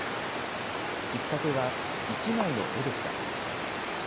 きっかけは１枚の絵でした。